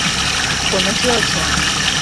我们只有钱。